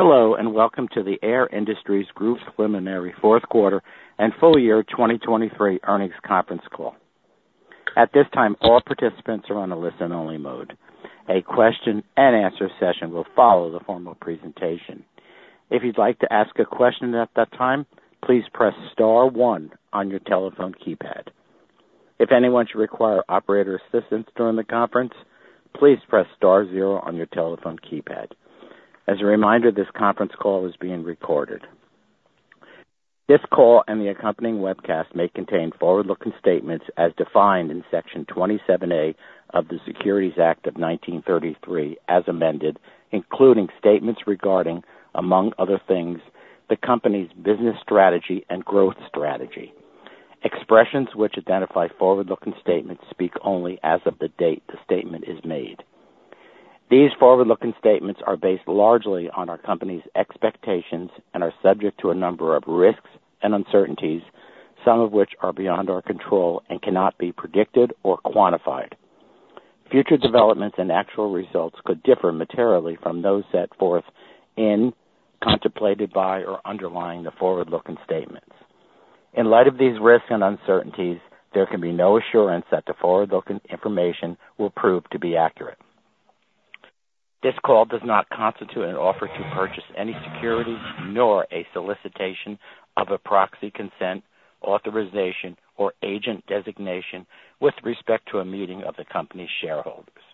Hello and welcome to the Air Industries Group preliminary fourth quarter and full year 2023 earnings conference call. At this time, all participants are on a listen-only mode. A question-and-answer session will follow the formal presentation. If you'd like to ask a question at that time, please press star one on your telephone keypad. If anyone should require operator assistance during the conference, please press star zero on your telephone keypad. As a reminder, this conference call is being recorded. This call and the accompanying webcast may contain forward-looking statements as defined in Section 27A of the Securities Act of 1933 as amended, including statements regarding, among other things, the company's business strategy and growth strategy. Expressions which identify forward-looking statements speak only as of the date the statement is made. These forward-looking statements are based largely on our company's expectations and are subject to a number of risks and uncertainties, some of which are beyond our control and cannot be predicted or quantified. Future developments and actual results could differ materially from those set forth in, contemplated by, or underlying the forward-looking statements. In light of these risks and uncertainties, there can be no assurance that the forward-looking information will prove to be accurate. This call does not constitute an offer to purchase any securities, nor a solicitation of a proxy consent, authorization, or agent designation with respect to a meeting of the company's shareholders.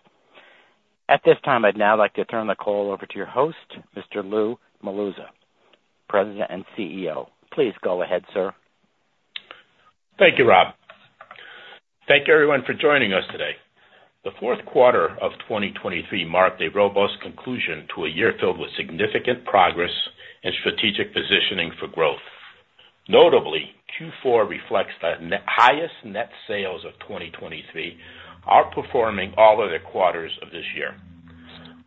At this time, I'd now like to turn the call over to your host, Mr. Lou Melluzzo, President and CEO. Please go ahead, sir. Thank you, Rob. Thank you, everyone, for joining us today. The fourth quarter of 2023 marked a robust conclusion to a year filled with significant progress and strategic positioning for growth. Notably, Q4 reflects the highest net sales of 2023 outperforming all other quarters of this year.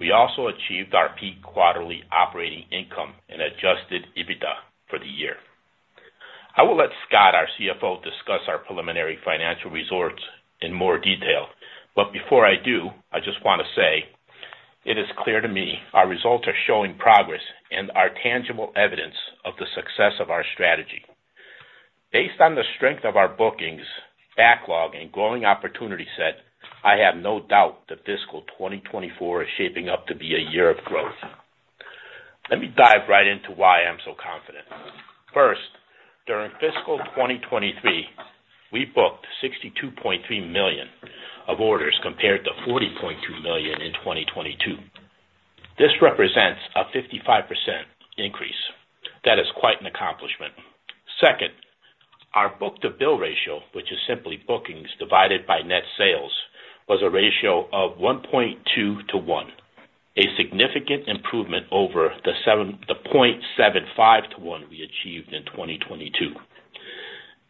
We also achieved our peak quarterly operating income and Adjusted EBITDA for the year. I will let Scott, our CFO, discuss our preliminary financial results in more detail, but before I do, I just want to say it is clear to me our results are showing progress and are tangible evidence of the success of our strategy. Based on the strength of our bookings, backlog, and growing opportunity set, I have no doubt that fiscal 2024 is shaping up to be a year of growth. Let me dive right into why I am so confident. First, during fiscal 2023, we booked $62.3 million of orders compared to $40.2 million in 2022. This represents a 55% increase. That is quite an accomplishment. Second, our book-to-bill ratio, which is simply bookings divided by net sales, was a ratio of 1.2 to 1, a significant improvement over the 0.75 to 1 we achieved in 2022.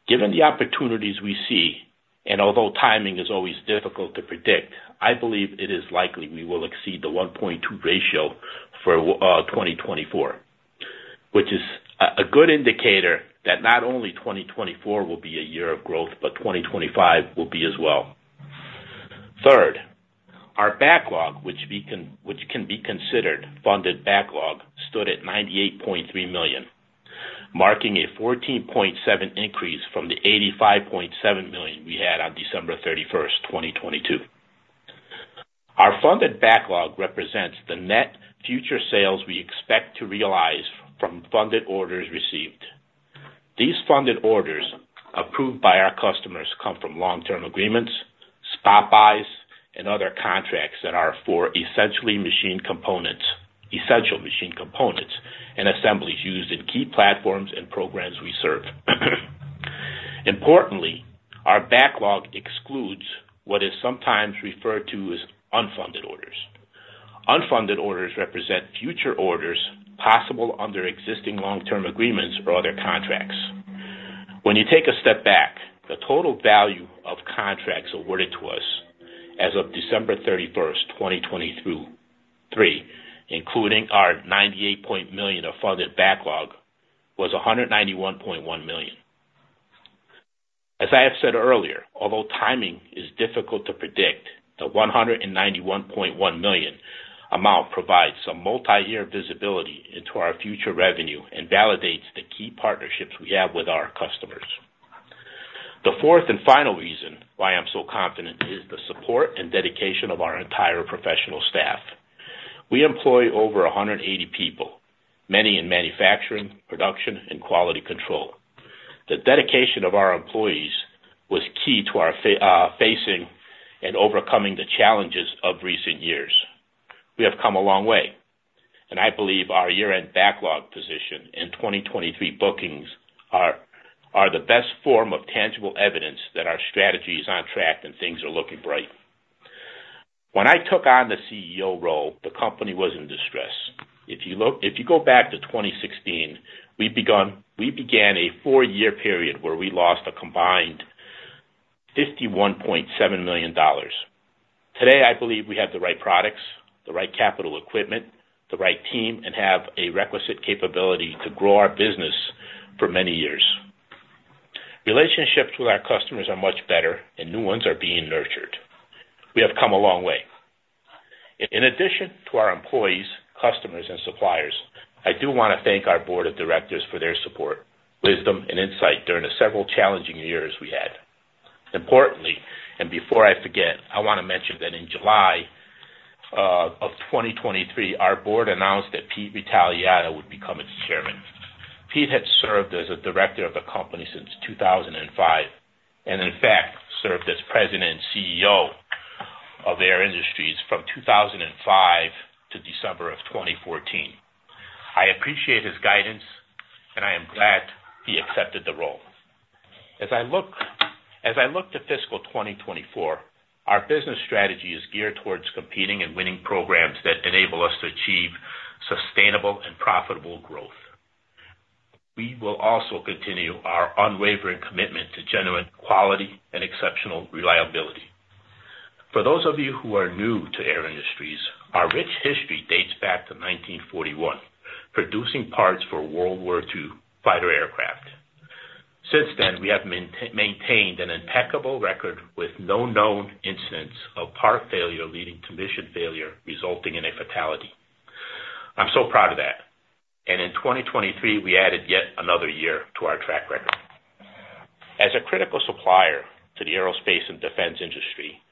Given the opportunities we see, and although timing is always difficult to predict, I believe it is likely we will exceed the 1.2 ratio for 2024, which is a good indicator that not only 2024 will be a year of growth, but 2025 will be as well. Third, our backlog, which can be considered funded backlog, stood at $98.3 million, marking a 14.7 increase from the $85.7 million we had on December 31st, 2022. Our funded backlog represents the net future sales we expect to realize from funded orders received. These funded orders approved by our customers come from long-term agreements, spot buys, and other contracts that are for essentially machine components, essential machine components, and assemblies used in key platforms and programs we serve. Importantly, our backlog excludes what is sometimes referred to as unfunded orders. Unfunded orders represent future orders possible under existing long-term agreements or other contracts. When you take a step back, the total value of contracts awarded to us as of December 31st, 2023, including our $98.0 million of funded backlog, was $191.1 million. As I have said earlier, although timing is difficult to predict, the $191.1 million amount provides some multi-year visibility into our future revenue and validates the key partnerships we have with our customers. The fourth and final reason why I'm so confident is the support and dedication of our entire professional staff. We employ over 180 people, many in manufacturing, production, and quality control. The dedication of our employees was key to our facing and overcoming the challenges of recent years. We have come a long way, and I believe our year-end backlog position and 2023 bookings are the best form of tangible evidence that our strategy is on track and things are looking bright. When I took on the CEO role, the company was in distress. If you go back to 2016, we began a four-year period where we lost a combined $51.7 million. Today, I believe we have the right products, the right capital equipment, the right team, and have a requisite capability to grow our business for many years. Relationships with our customers are much better, and new ones are being nurtured. We have come a long way. In addition to our employees, customers, and suppliers, I do want to thank our board of directors for their support, wisdom, and insight during the several challenging years we had. Importantly, and before I forget, I want to mention that in July of 2023, our board announced that Pete Rettaliata would become its Chairman. Pete had served as a director of the company since 2005 and, in fact, served as President and CEO of Air Industries from 2005 to December of 2014. I appreciate his guidance, and I am glad he accepted the role. As I look to fiscal 2024, our business strategy is geared towards competing and winning programs that enable us to achieve sustainable and profitable growth. We will also continue our unwavering commitment to genuine quality and exceptional reliability. For those of you who are new to Air Industries, our rich history dates back to 1941, producing parts for World War II fighter aircraft. Since then, we have maintained an impeccable record with no known incidents of part failure leading to mission failure resulting in a fatality. I'm so proud of that. In 2023, we added yet another year to our track record. As a critical supplier to the aerospace and defense industry,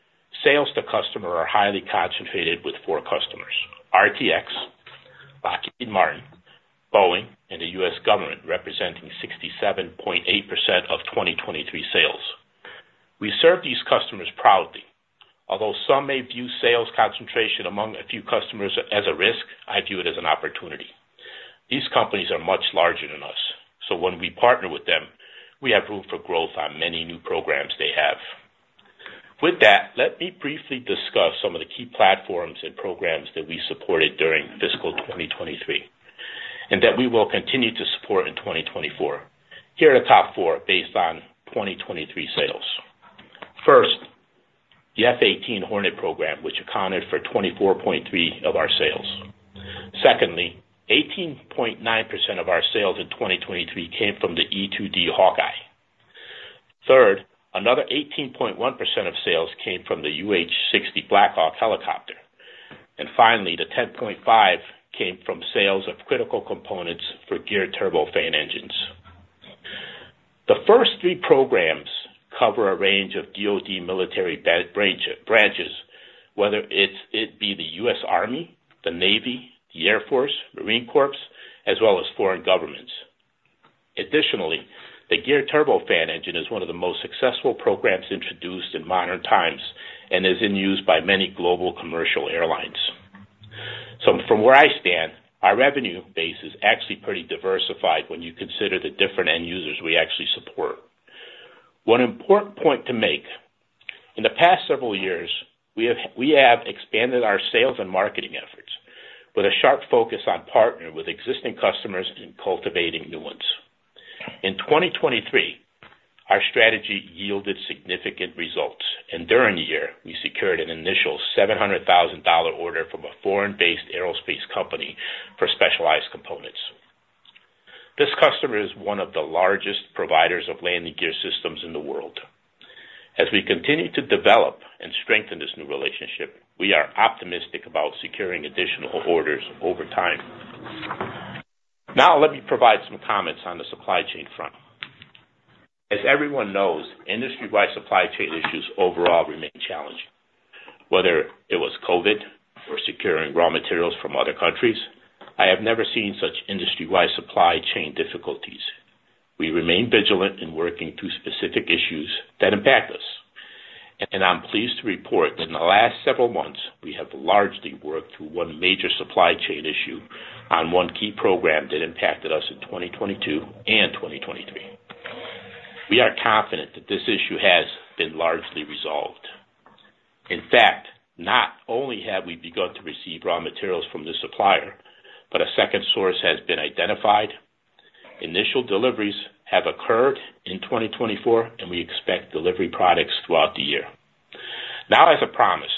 sales to customer are highly concentrated with four customers: RTX, Lockheed Martin, Boeing, and the U.S. government representing 67.8% of 2023 sales. We serve these customers proudly. Although some may view sales concentration among a few customers as a risk, I view it as an opportunity. These companies are much larger than us, so when we partner with them, we have room for growth on many new programs they have. With that, let me briefly discuss some of the key platforms and programs that we supported during fiscal 2023 and that we will continue to support in 2024. Here are the top four based on 2023 sales. First, the F-18 Hornet program, which accounted for 24.3% of our sales. Secondly, 18.9% of our sales in 2023 came from the E-2D Hawkeye. Third, another 18.1% of sales came from the UH-60 Black Hawk helicopter. And finally, the 10.5% came from sales of critical components for Geared Turbofan engines. The first three programs cover a range of DoD military branches, whether it be the U.S. Army, the Navy, the Air Force, Marine Corps, as well as foreign governments. Additionally, the Geared Turbofan engine is one of the most successful programs introduced in modern times and is in use by many global commercial airlines. From where I stand, our revenue base is actually pretty diversified when you consider the different end users we actually support. One important point to make, in the past several years, we have expanded our sales and marketing efforts with a sharp focus on partnering with existing customers and cultivating new ones. In 2023, our strategy yielded significant results, and during the year, we secured an initial $700,000 order from a foreign-based aerospace company for specialized components. This customer is one of the largest providers of landing gear systems in the world. As we continue to develop and strengthen this new relationship, we are optimistic about securing additional orders over time. Now, let me provide some comments on the supply chain front. As everyone knows, industry-wide supply chain issues overall remain challenging. Whether it was COVID or securing raw materials from other countries, I have never seen such industry-wide supply chain difficulties. We remain vigilant in working through specific issues that impact us, and I'm pleased to report that in the last several months, we have largely worked through one major supply chain issue on one key program that impacted us in 2022 and 2023. We are confident that this issue has been largely resolved. In fact, not only have we begun to receive raw materials from this supplier, but a second source has been identified. Initial deliveries have occurred in 2024, and we expect delivery products throughout the year. Now, as I promised,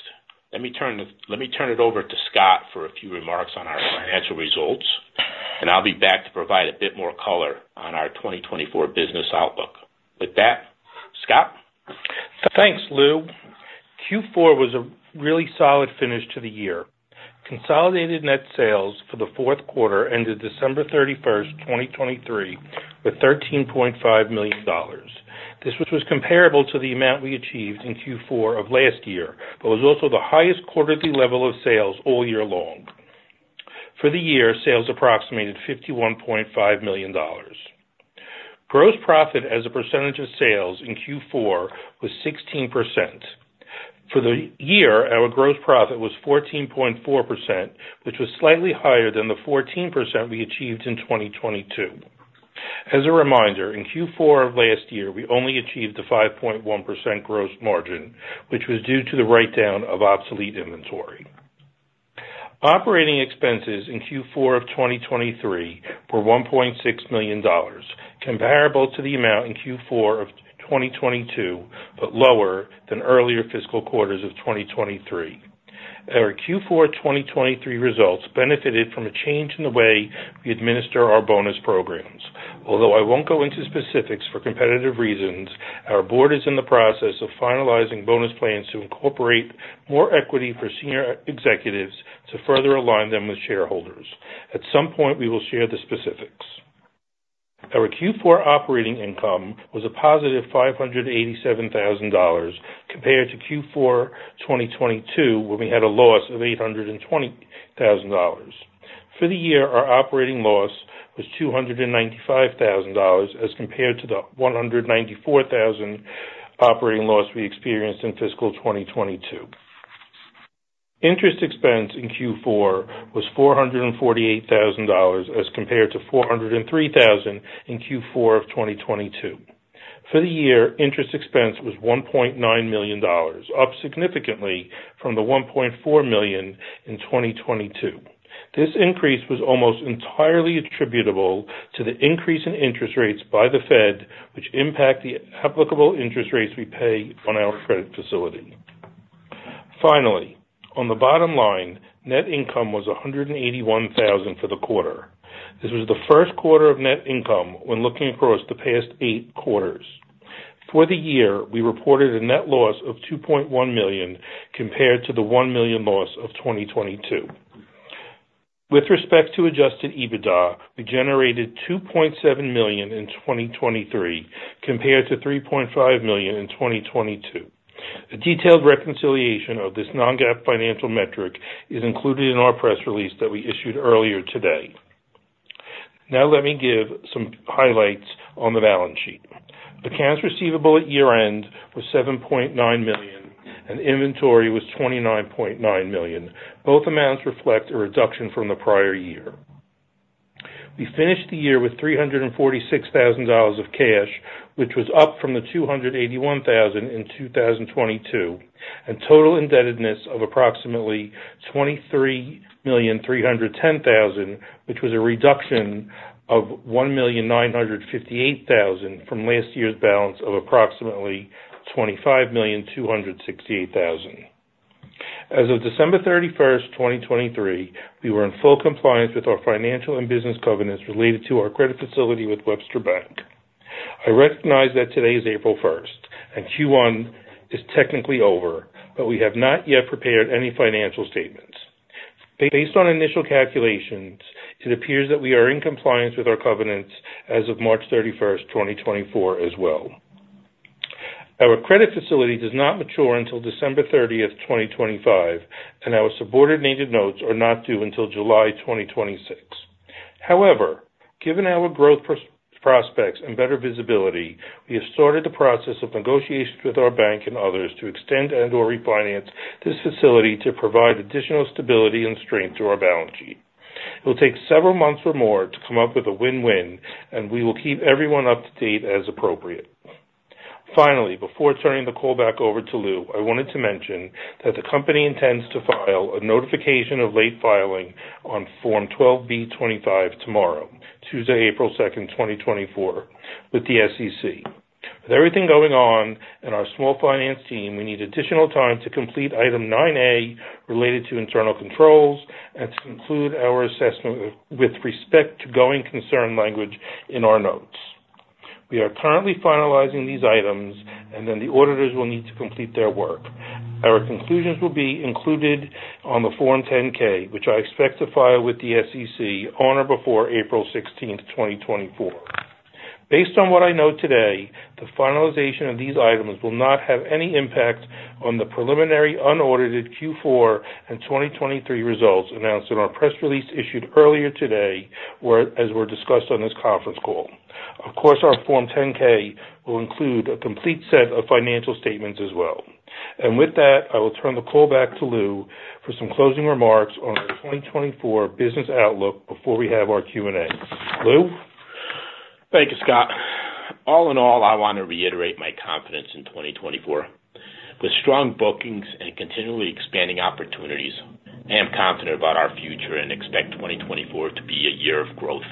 let me turn it over to Scott for a few remarks on our financial results, and I'll be back to provide a bit more color on our 2024 business outlook. With that, Scott? Thanks, Lou. Q4 was a really solid finish to the year. Consolidated net sales for the fourth quarter ended December 31st, 2023, with $13.5 million. This was comparable to the amount we achieved in Q4 of last year but was also the highest quarterly level of sales all year long. For the year, sales approximated $51.5 million. Gross profit as a percentage of sales in Q4 was 16%. For the year, our gross profit was 14.4%, which was slightly higher than the 14% we achieved in 2022. As a reminder, in Q4 of last year, we only achieved a 5.1% gross margin, which was due to the write-down of obsolete inventory. Operating expenses in Q4 of 2023 were $1.6 million, comparable to the amount in Q4 of 2022 but lower than earlier fiscal quarters of 2023. Our Q4 2023 results benefited from a change in the way we administer our bonus programs. Although I won't go into specifics for competitive reasons, our board is in the process of finalizing bonus plans to incorporate more equity for senior executives to further align them with shareholders. At some point, we will share the specifics. Our Q4 operating income was a positive $587,000 compared to Q4 2022 when we had a loss of $820,000. For the year, our operating loss was $295,000 as compared to the $194,000 operating loss we experienced in fiscal 2022. Interest expense in Q4 was $448,000 as compared to $403,000 in Q4 of 2022. For the year, interest expense was $1.9 million, up significantly from the $1.4 million in 2022. This increase was almost entirely attributable to the increase in interest rates by the Fed, which impact the applicable interest rates we pay on our credit facility. Finally, on the bottom line, net income was $181,000 for the quarter. This was the first quarter of net income when looking across the past eight quarters. For the year, we reported a net loss of $2.1 million compared to the $1 million loss of 2022. With respect to Adjusted EBITDA, we generated $2.7 million in 2023 compared to $3.5 million in 2022. A detailed reconciliation of this non-GAAP financial metric is included in our press release that we issued earlier today. Now, let me give some highlights on the balance sheet. Accounts receivable at year-end were $7.9 million, and inventory was $29.9 million. Both amounts reflect a reduction from the prior year. We finished the year with $346,000 of cash, which was up from the $281,000 in 2022, and total indebtedness of approximately $23,310,000, which was a reduction of $1,958,000 from last year's balance of approximately $25,268,000. As of December 31st, 2023, we were in full compliance with our financial and business covenants related to our credit facility with Webster Bank. I recognize that today is April 1st, and Q1 is technically over, but we have not yet prepared any financial statements. Based on initial calculations, it appears that we are in compliance with our covenants as of March 31st, 2024, as well. Our credit facility does not mature until December 30th, 2025, and our subordinated notes are not due until July 2026. However, given our growth prospects and better visibility, we have started the process of negotiations with our bank and others to extend and/or refinance this facility to provide additional stability and strength to our balance sheet. It will take several months or more to come up with a win-win, and we will keep everyone up to date as appropriate. Finally, before turning the call back over to Lou, I wanted to mention that the company intends to file a notification of late filing on Form 12b-25 tomorrow, Tuesday, April 2nd, 2024, with the SEC. With everything going on and our small finance team, we need additional time to complete Item 9A related to internal controls and to include our assessment with respect to going concern language in our notes. We are currently finalizing these items, and then the auditors will need to complete their work. Our conclusions will be included on the Form 10-K, which I expect to file with the SEC on or before April 16th, 2024. Based on what I know today, the finalization of these items will not have any impact on the preliminary unaudited Q4 and 2023 results announced in our press release issued earlier today, as were discussed on this conference call. Of course, our Form 10-K will include a complete set of financial statements as well. With that, I will turn the call back to Lou for some closing remarks on our 2024 business outlook before we have our Q&A. Lou? Thank you, Scott. All in all, I want to reiterate my confidence in 2024. With strong bookings and continually expanding opportunities, I am confident about our future and expect 2024 to be a year of growth.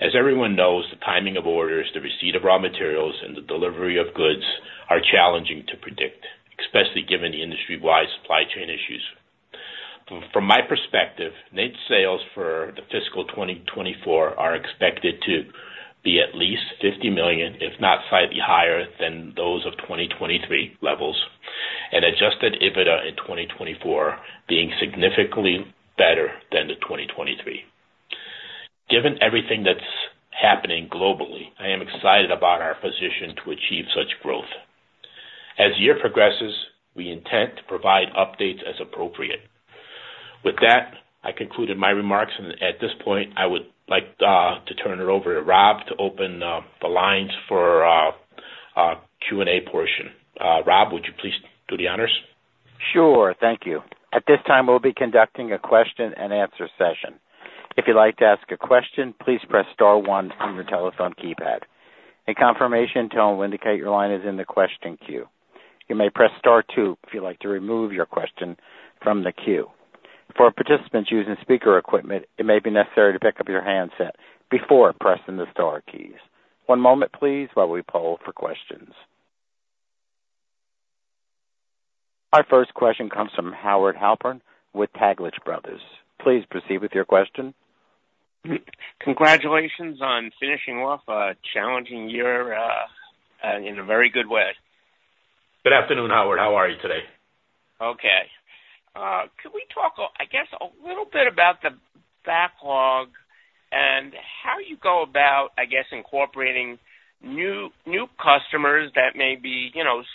As everyone knows, the timing of orders, the receipt of raw materials, and the delivery of goods are challenging to predict, especially given the industry-wide supply chain issues. From my perspective, net sales for the fiscal 2024 are expected to be at least $50 million, if not slightly higher, than those of 2023 levels, and Adjusted EBITDA in 2024 being significantly better than the 2023. Given everything that's happening globally, I am excited about our position to achieve such growth. As the year progresses, we intend to provide updates as appropriate. With that, I concluded my remarks, and at this point, I would like to turn it over to Rob to open the lines for our Q&A portion. Rob, would you please do the honors? Sure. Thank you. At this time, we'll be conducting a question-and-answer session. If you'd like to ask a question, please press star one on your telephone keypad. In confirmation, tell them to indicate your line is in the question queue. You may press star two if you'd like to remove your question from the queue. For participants using speaker equipment, it may be necessary to pick up your handset before pressing the star keys. One moment, please, while we poll for questions. Our first question comes from Howard Halpern with Taglich Brothers. Please proceed with your question. Congratulations on finishing off a challenging year in a very good way. Good afternoon, Howard. How are you today? Okay. Could we talk, I guess, a little bit about the backlog and how you go about, I guess, incorporating new customers that may be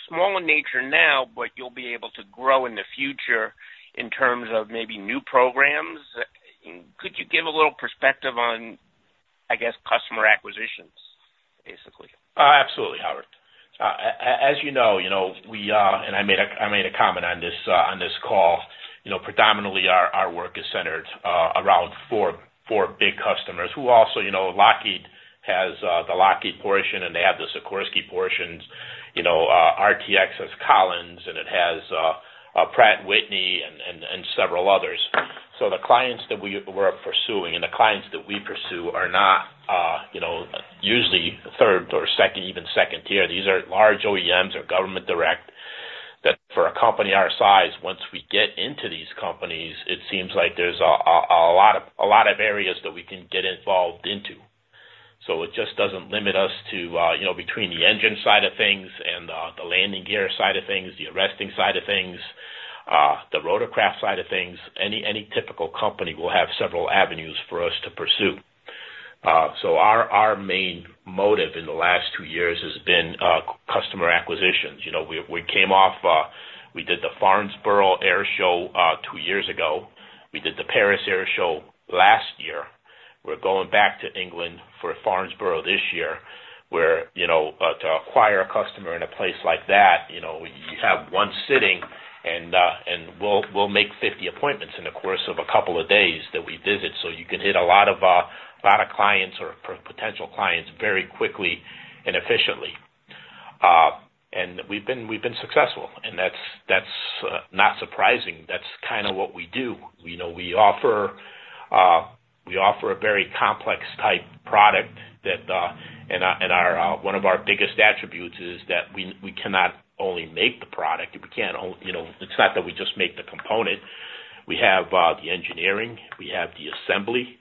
small in nature now, but you'll be able to grow in the future in terms of maybe new programs? Could you give a little perspective on, I guess, customer acquisitions, basically? Absolutely, Howard. As you know, we and I made a comment on this call. Predominantly, our work is centered around four big customers who also Lockheed has the Lockheed portion, and they have the Sikorsky portions. RTX has Collins, and it has Pratt & Whitney and several others. So the clients that we're pursuing and the clients that we pursue are not usually third or second, even second tier. These are large OEMs or government direct that for a company our size, once we get into these companies, it seems like there's a lot of areas that we can get involved into. So it just doesn't limit us to between the engine side of things and the landing gear side of things, the arresting side of things, the rotorcraft side of things. Any typical company will have several avenues for us to pursue. So our main motive in the last two years has been customer acquisitions. We came off we did the Farnborough Air Show two years ago. We did the Paris Air Show last year. We're going back to England for Farnborough this year. To acquire a customer in a place like that, you have one sitting, and we'll make 50 appointments in the course of a couple of days that we visit. So you can hit a lot of clients or potential clients very quickly and efficiently. And we've been successful, and that's not surprising. That's kind of what we do. We offer a very complex-type product, and one of our biggest attributes is that we cannot only make the product. We can't only it's not that we just make the component. We have the engineering. We have the assembly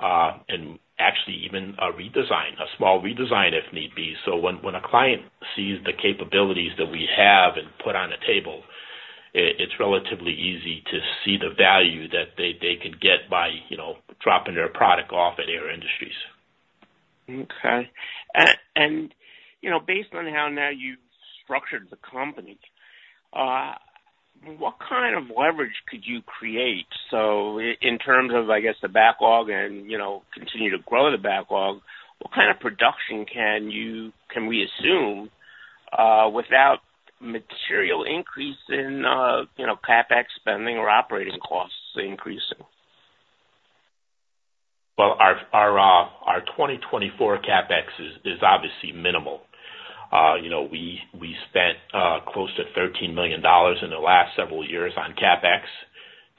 and actually even a small redesign, if need be. So when a client sees the capabilities that we have and put on the table, it's relatively easy to see the value that they can get by dropping their product off at Air Industries. Okay. Based on how now you've structured the company, what kind of leverage could you create? In terms of, I guess, the backlog and continue to grow the backlog, what kind of production can we assume without material increase in CapEx spending or operating costs increasing? Well, our 2024 CapEx is obviously minimal. We spent close to $13 million in the last several years on CapEx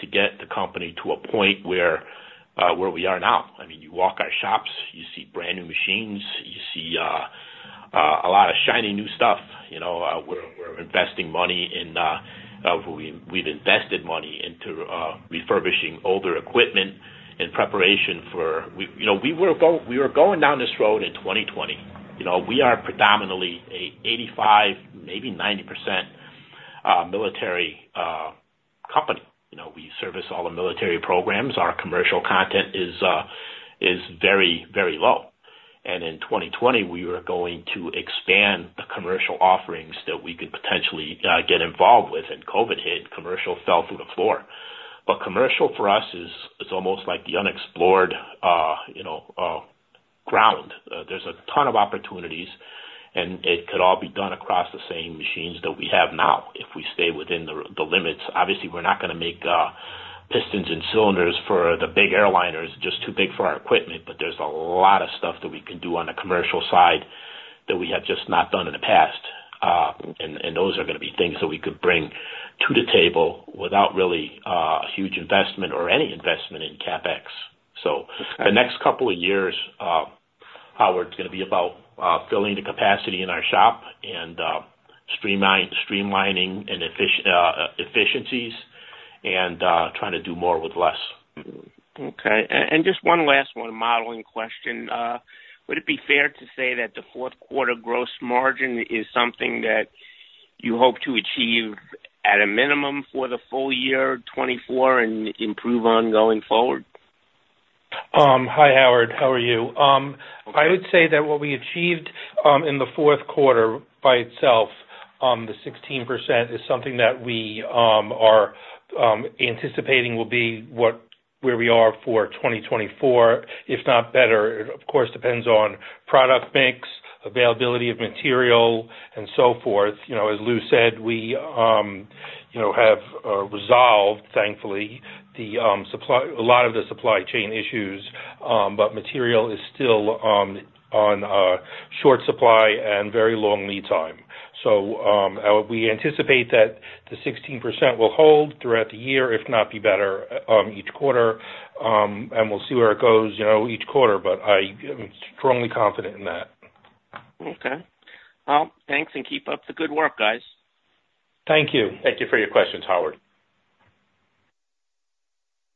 to get the company to a point where we are now. I mean, you walk our shops. You see brand new machines. You see a lot of shiny new stuff. We're investing money in. We've invested money into refurbishing older equipment in preparation for. We were going down this road in 2020. We are predominantly an 85%, maybe 90% military company. We service all the military programs. Our commercial content is very, very low. And in 2020, we were going to expand the commercial offerings that we could potentially get involved with. And COVID hit. Commercial fell through the floor. But commercial for us is almost like the unexplored ground. There's a ton of opportunities, and it could all be done across the same machines that we have now if we stay within the limits. Obviously, we're not going to make pistons and cylinders for the big airliners. It's just too big for our equipment. But there's a lot of stuff that we can do on the commercial side that we have just not done in the past. And those are going to be things that we could bring to the table without really a huge investment or any investment in CapEx. So the next couple of years, Howard, it's going to be about filling the capacity in our shop and streamlining efficiencies and trying to do more with less. Okay. And just one last one, modeling question. Would it be fair to say that the fourth-quarter gross margin is something that you hope to achieve at a minimum for the full year 2024 and improve on going forward? Hi, Howard. How are you? I would say that what we achieved in the fourth quarter by itself, the 16%, is something that we are anticipating will be where we are for 2024, if not better. It of course depends on product mix, availability of material, and so forth. As Lou said, we have resolved, thankfully, a lot of the supply chain issues, but material is still on short supply and very long lead time. So we anticipate that the 16% will hold throughout the year, if not be better, each quarter. And we'll see where it goes each quarter, but I am strongly confident in that. Okay. Well, thanks, and keep up the good work, guys. Thank you. Thank you for your questions, Howard.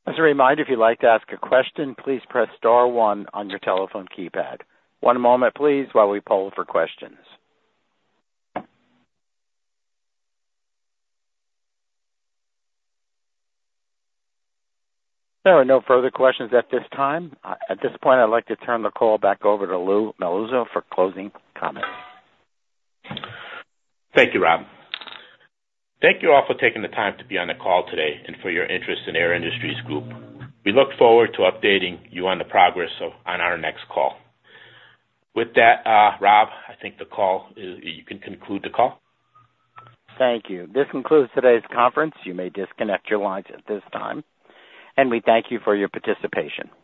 As a reminder, if you'd like to ask a question, please press star one on your telephone keypad. One moment, please, while we poll for questions. There are no further questions at this time. At this point, I'd like to turn the call back over to Lou Melluzzo for closing comments. Thank you, Rob. Thank you all for taking the time to be on the call today and for your interest in Air Industries Group. We look forward to updating you on the progress on our next call. With that, Rob, I think the call is you can conclude the call. Thank you. This concludes today's conference. You may disconnect your lines at this time. We thank you for your participation.